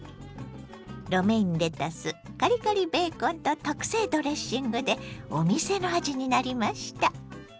ロメインレタスカリカリベーコンと特製ドレッシングでお店の味になりました。